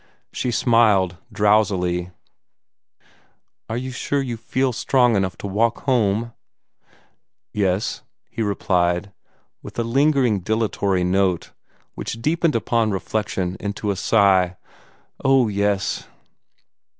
She smiled drowsily. "And you're sure you feel strong enough to walk home?" "Yes," he replied, with a lingering dilatory note, which deepened upon reflection into a sigh. "Oh, yes."